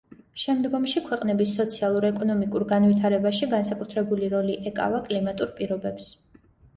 შემდგომში, ქვეყნების სოციალურ-ეკონომიკურ განვითარებაში განსაკუთრებული როლი ეკავა კლიმატურ პირობებს.